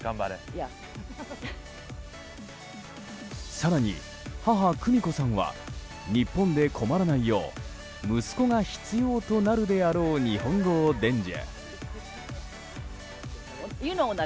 更に、母・久美子さんは日本で困らないよう息子が必要となるであろう日本語を伝授。